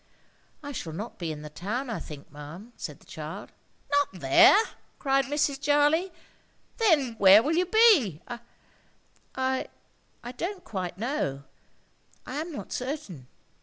"I shall not be in the town, I think, ma'am," said the child. "Not there!" cried Mrs. Jarley. "Then where will you be?" "I—I—don't quite know. I am not certain."